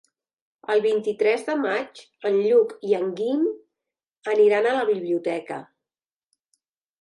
El vint-i-tres de maig en Lluc i en Guim aniran a la biblioteca.